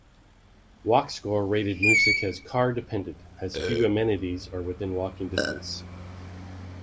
Walk Score rated Moosic as car-dependent, as few amenities are within walking distance.